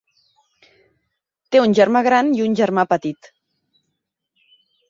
Té un germà gran i un germà petit.